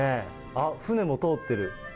あっ、船も通ってる。